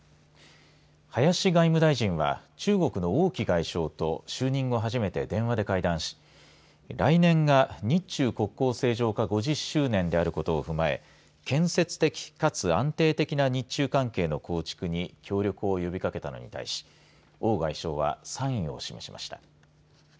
林外務大臣は中国の王毅外相と就任後、初めて電話で会談し来年が日中国交正常化５０周年であることを踏まえ建設的かつ安定的な日中関係の構築に協力を呼びかけたのに対し王外相は、賛意を示しました。